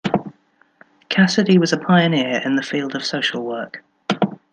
Cassidy was a pioneer in the field of social work.